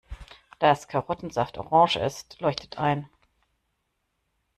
Dass Karottensaft orange ist, leuchtet ein.